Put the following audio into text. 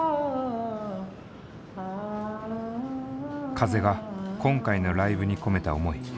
風が今回のライブに込めた思い。